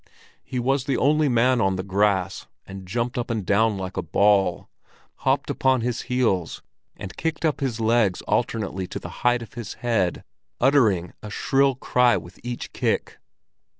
He was the only man on the grass, and jumped up and down like a ball, hopped upon his heels, and kicked up his legs alternately to the height of his head, uttering a shrill cry with each kick.